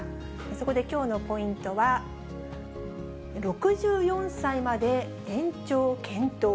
そこできょうのポイントは、６４歳まで延長検討。